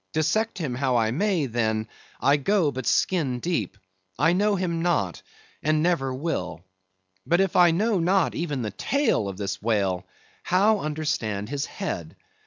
Dissect him how I may, then, I but go skin deep; I know him not, and never will. But if I know not even the tail of this whale, how understand his head?